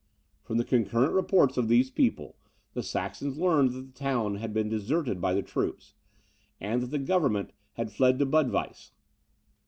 From the concurrent reports of these people, the Saxons learned that the town had been deserted by the troops, and that the government had fled to Budweiss.